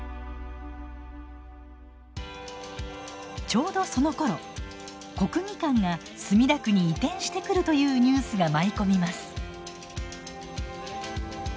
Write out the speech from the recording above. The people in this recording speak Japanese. ちょうどそのころ国技館が墨田区に移転してくるというニュースが舞い込みます。